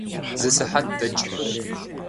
Зы сыхьэт дэкӏмэ.